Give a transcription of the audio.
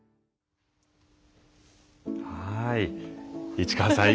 市川さん